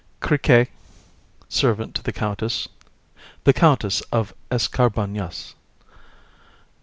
CRIQUET, servant to the COUNTESS. THE COUNTESS OF ESCARBAGNAS.